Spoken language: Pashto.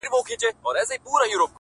o د سترگو سرو لمبو ته دا پتنگ در اچوم؛